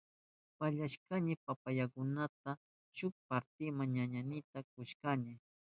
Pallashkayni papayukunamanta shuk partita ñañaynita kushkani.